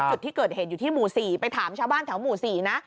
จุดที่เกิดเหตุอยู่ที่หมู่๔ไปถามชาวบ้านแถวหมู่๔นะ